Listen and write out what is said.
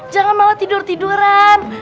jangan malah tidur tiduran